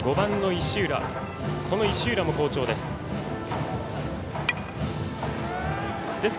石浦も好調です。